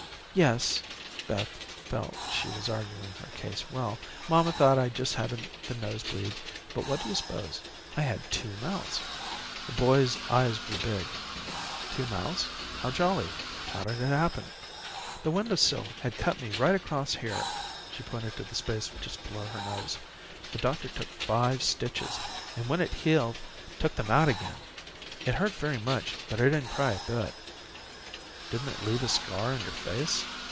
"Yes." Beth felt she was arguing her case well. "Mamma thought I just had the nose bleed, but what do you s'pose? I had two mouths." The boy's eyes grew big. "Two mouths how jolly. How did it happen?" "The window sill had cut me right across here," she pointed to the space just below her nose. "The doctor took five stitches, and when it healed, took them out again. It hurt very much, but I didn't cry a bit." "Didn't it leave a scar on your face?"